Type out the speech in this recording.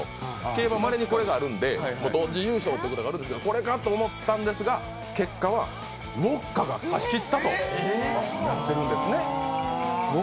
競馬はまれにこれがあるので、同時優勝ということがあるんですが、これかと思ったんですが、結果はウオッカが差しきったとなってるんですね。